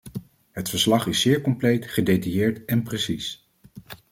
Het verslag is zeer compleet, gedetailleerd en precies.